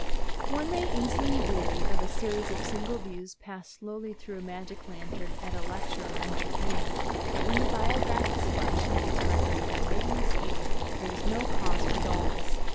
One may easily weary of a series of single views passed slowly through a magic lantern at a lecture or entertainment. But when the Biograph is flashing its records at lightning speed there is no cause for dullness.